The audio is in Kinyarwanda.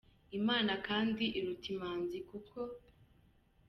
Imana kandi iruta Imanzi, kuko